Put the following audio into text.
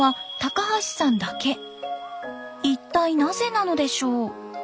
一体なぜなのでしょう？